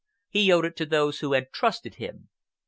He owed it to those who had trusted him.